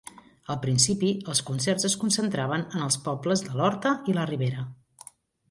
Al principi els concerts es concentraven en els pobles de l'Horta i la Ribera.